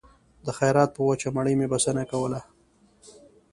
د خیرات په وچه مړۍ مې بسنه کوله